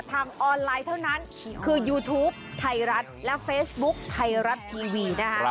ทางออนไลน์เท่านั้นคือยูทูปไทยรัฐและเฟซบุ๊คไทยรัฐทีวีนะคะ